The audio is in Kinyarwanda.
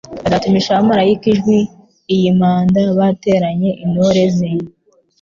Azatumisha abamaraika ijwi iy'impanda bateranye intore ze